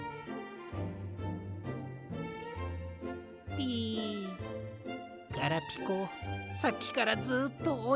ピガラピコさっきからずっとおに。